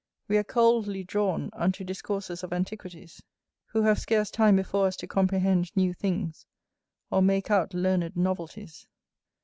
We are coldly drawn unto discourses of antiquities, who have scarce time before us to comprehend new things, or make out learned novelties.